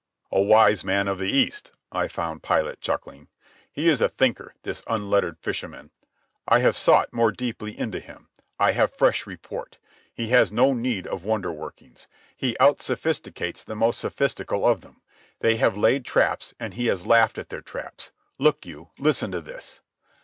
"A wise man of the East," I found Pilate chuckling. "He is a thinker, this unlettered fisherman. I have sought more deeply into him. I have fresh report. He has no need of wonder workings. He out sophisticates the most sophistical of them. They have laid traps, and He has laughed at their traps. Look you. Listen to this."